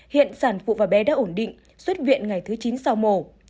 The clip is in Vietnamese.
hiện sản phụ và bé đã ổn định xuất viện ngày thứ chín sau mổ